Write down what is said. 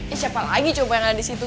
ini siapa lagi coba yang ada di situ